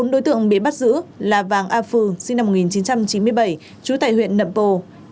bốn đối tượng bị bắt giữ là vàng a phừ sinh năm một nghìn chín trăm chín mươi bảy trú tại huyện nậm bồ